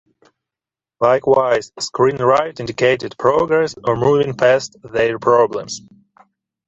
Likewise, screen right indicated progress or moving past their problems.